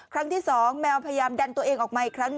ครั้งที่๒แมวพยายามดันตัวเองออกมาอีกครั้ง